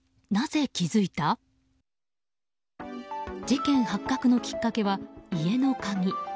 事件発覚のきっかけは家の鍵。